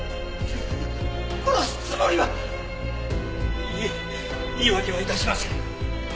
殺すつもりはいいえ言い訳は致しません。